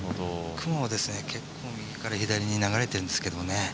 雲はですね、結構右から左に流れてるんですけどね。